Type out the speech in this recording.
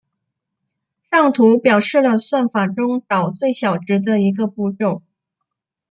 上图表示了算法中找最小值的一个步骤。